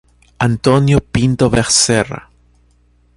Antônio Pinto Beserra